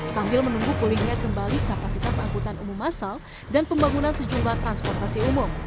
sambil menunggu pulihnya kembali kapasitas angkutan umum masal dan pembangunan sejumlah transportasi umum